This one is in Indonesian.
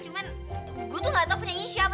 cuman gue tuh gak tau penyanyi siapa